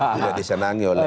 tidak disenangi oleh